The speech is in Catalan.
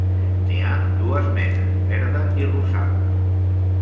N'hi ha dues menes, verda i rosada.